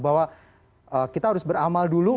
bahwa kita harus beramal dulu